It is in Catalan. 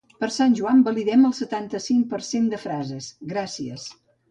Per Sant Joan validem el setanta-cinc per cent de frases, gràcies.